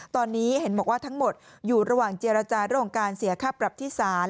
ตอนนี้เห็นบอกว่าทั้งหมดอยู่ระหว่างเจรจาเรื่องของการเสียค่าปรับที่ศาล